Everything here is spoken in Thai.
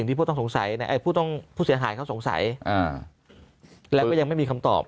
แต่พูดข้อผู้เสียหายเค้าสงสัยแล้วก็ยังไม่มีคำตอบ